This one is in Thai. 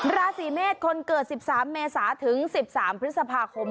ราศีเมษคนเกิด๑๓เมษาถึง๑๓พฤษภาคม